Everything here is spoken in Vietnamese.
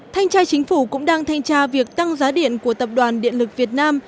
thanh tra chính phủ cũng đang thanh tra việc tăng giá điện của tập đoàn điện lực việt nam